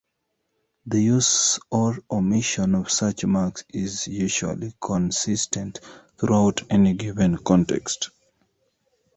The use or omission of such marks is usually consistent throughout any given context.